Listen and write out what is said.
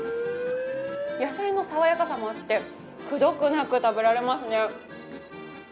野菜のさわやかさもあってくどくなく食べられますね。